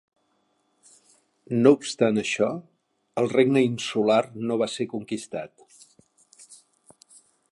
No obstant això, el regne insular no va ser conquistat.